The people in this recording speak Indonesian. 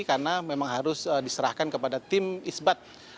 karena memang harus diserahkan kepada tim isbat